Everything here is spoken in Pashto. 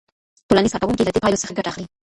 ټولنیز کارکوونکي له دې پایلو څخه ګټه اخلي.